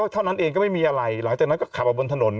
เท่านั้นเองก็ไม่มีอะไรหลังจากนั้นก็ขับมาบนถนน